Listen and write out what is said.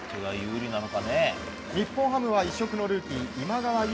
日本ハムは異色のルーキー今川優